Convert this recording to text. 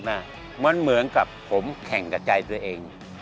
มันเหมือนกับผมแข่งกับใจตัวเอง